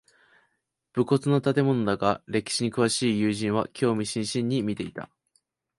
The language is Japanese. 無骨な建物だが歴史に詳しい友人は興味津々に見ていた